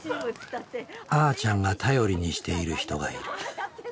あーちゃんが頼りにしている人がいる。